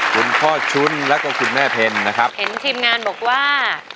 คุณพ่อชุ้นแล้วก็คุณแม่เพ็ญนะครับเห็นทีมงานบอกว่า